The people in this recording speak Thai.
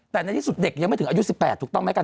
แต่ในที่สุดเด็กยังไม่ถึงอายุ๑๘ถูกต้องไหมกัน